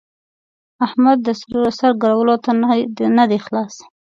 احمد د سر ګرولو ته نه دی خلاص.